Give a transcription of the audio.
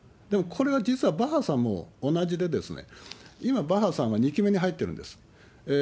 でもこれは実はバッハさんも同じで、今、バッハさんは２期目に入ってるんです。